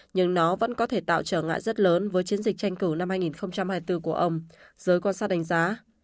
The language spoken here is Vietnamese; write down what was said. nhưng nó vẫn có thể tạo trở ngại rất lớn với chiến dịch tranh cử năm hai nghìn hai mươi bốn của ông giới quan sát đánh giá